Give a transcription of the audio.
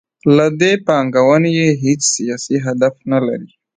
له دې پانګونې یې هیڅ سیاسي هدف نلري.